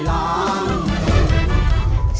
ร้องได้ให้ร้าง